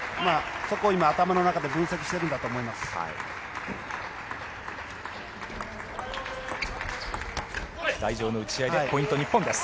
そこを今、頭の中で分析しているんだと思います。